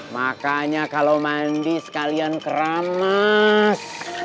makanya kalau mandi sekalian keramas